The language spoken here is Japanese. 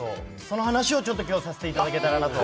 その話をちょっと今日はさせていただけたらなと。